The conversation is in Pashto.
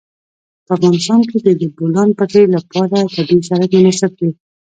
په افغانستان کې د د بولان پټي لپاره طبیعي شرایط مناسب دي.